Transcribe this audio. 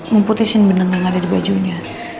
mumputisin benang yang ada di bajunya